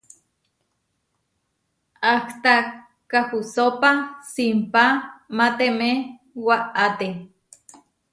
Ahtá kahusópa simpá matemé waʼáte.